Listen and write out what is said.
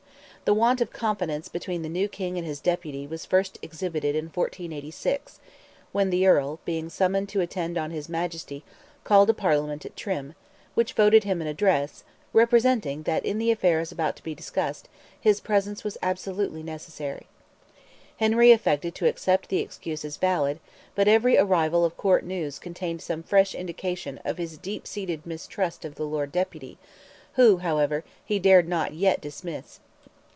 The want of confidence between the new King and his Deputy was first exhibited in 1486, when the Earl, being summoned to attend on his Majesty, called a Parliament at Trim, which voted him an address, representing that in the affairs about to be discussed, his presence was absolutely necessary. Henry affected to accept the excuse as valid, but every arrival of Court news contained some fresh indication of his deep seated mistrust of the Lord Deputy, who, however, he dared not yet dismiss.